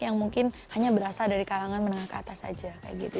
yang mungkin hanya berasal dari kalangan menengah ke atas aja kayak gitu